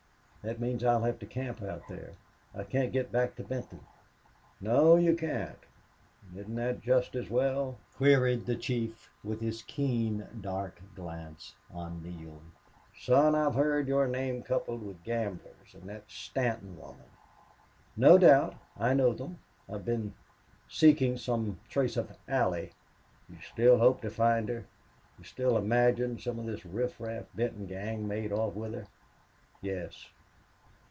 "That means I'll have to camp out there. I can't get back to Benton." "No, you can't. And isn't that just as well?" queried the chief, with his keen, dark glance on Neale. "Son, I've heard your name coupled with gamblers and that Stanton woman." "No doubt. I know them. I've been seeking some trace of Allie." "You still hope to find her? You still imagine some of this riffraff Benton gang made off with her?" "Yes."